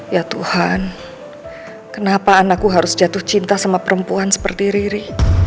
ya tuhan kenapa anakku harus jatuh cinta sama perempuan seperti riri